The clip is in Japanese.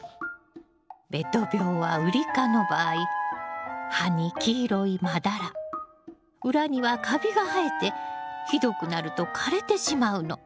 べと病はウリ科の場合葉に黄色いまだら裏にはカビが生えてひどくなると枯れてしまうの。